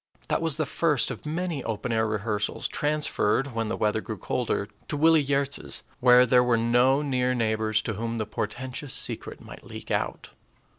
That was the first of many open air rehearsals, transferred, when the weather grew colder, to Willie Giertz's, where there were no near neighbors to whom the portentous secret might leak out.